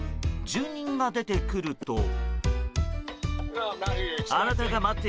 住人が出てくると。